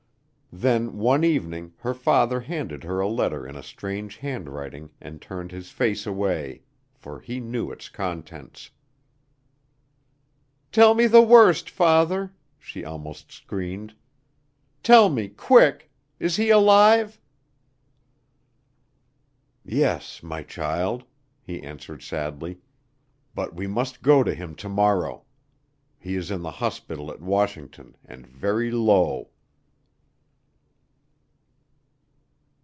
Then one evening her father handed her a letter in a strange handwriting and turned his face away, for he knew its contents. "Tell me the worst, father," she almost screamed, "tell me quick; is he alive?" "Yes, my child," he answered sadly, "but we must go to him to morrow. He is in the hospital at Washington and very low."